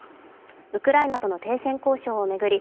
ウクライナとの停戦交渉を巡り